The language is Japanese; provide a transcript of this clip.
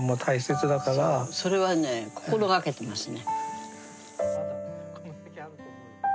そうそれはね心がけてますね。